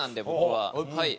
はい。